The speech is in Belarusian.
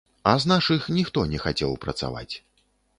А з нашых ніхто не хацеў працаваць.